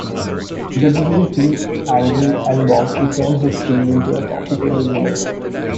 Bidwill grew angry and vowed to turn his team into a profitable winner.